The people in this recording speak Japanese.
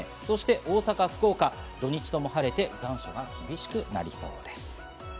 大阪、福岡は土日とも晴れて残暑が厳しくなりそうです。